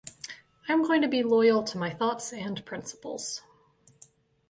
I am going to be loyal to my thoughts and principles.